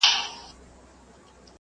پاکیزه به بیا لیکنې وکړي.